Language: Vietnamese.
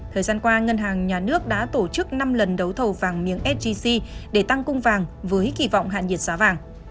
thời gian qua ngân hàng nhà nước đã tổ chức năm lần đấu thầu vàng miếng sgc để tăng cung vàng với kỳ vọng hạ nhiệt giá vàng